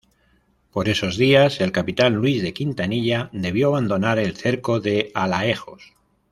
Por esos días el capitán Luis de Quintanilla debió abandonar el cerco de Alaejos.